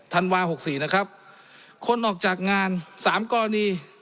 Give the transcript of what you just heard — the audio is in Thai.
ธันวา๖๔คนออกจากงาน๓กรอนี